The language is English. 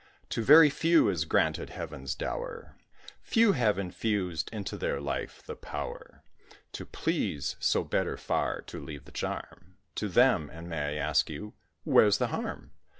To very few is granted Heaven's dower Few have infused into their life the power To please, so better far to leave the charm To them. And may I ask you, where's the harm?